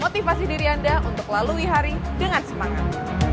motivasi diri anda untuk lalui hari dengan semangat